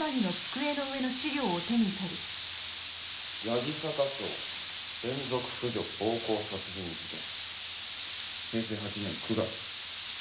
「八木坂町連続婦女暴行殺人事件」「平成八年九月」